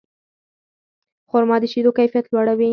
خرما د شیدو کیفیت لوړوي.